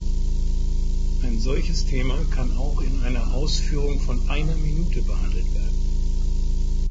Ein solches Thema kann auch in einer Ausführung von einer Minute behandelt werden.